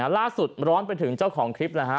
ล่าสุดร้อนไปถึงเจ้าของคลิปนะฮะ